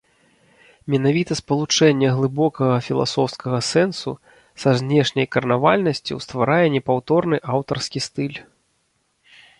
Менавіта спалучэнне глыбокага філасофскага сэнсу са знешняй карнавальнасцю стварае непаўторны аўтарскі стыль.